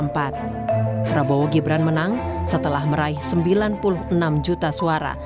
prabowo gibran menang setelah meraih sembilan puluh enam juta suara